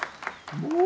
もう。